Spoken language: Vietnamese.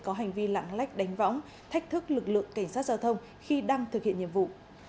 có hành vi lãng lách đánh võng thách thức lực lượng cảnh sát giao thông khi đang thực hiện nhiệm vụ